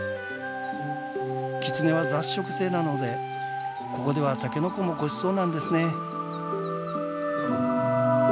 キツネは雑食性なのでここではタケノコもごちそうなんですね。